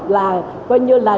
là coi như là